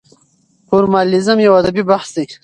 فورمالېزم يو ادبي بحث دی.